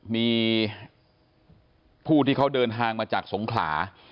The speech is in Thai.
มีผู้ที่เขาเดินทางมาจากสงขลา